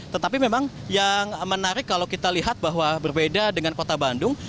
tetapi memang yang menarik kalau kita lihat bahwa berbeda dengan kota bandung